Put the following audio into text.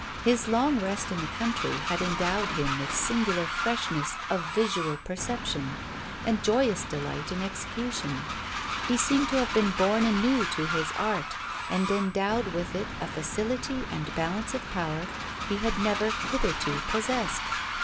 His long rest in the country had endowed him with singular freshness of visual perception, and joyous delight in execution; he seemed to have been born anew to his art, and endowed with a facility and balance of power he had never hitherto possessed.